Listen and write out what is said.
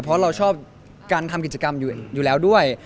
เพราะเราชอบการทำกิจกรรมอยู่แล้วด้วย